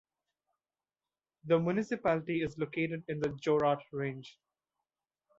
The municipality is located in the Jorat range.